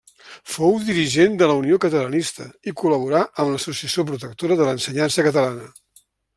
Fou dirigent de la Unió Catalanista i col·laborà amb l'Associació Protectora de l'Ensenyança Catalana.